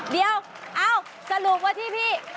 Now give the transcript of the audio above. เดี๋ยวเอ้าสรุปว่าที่พี่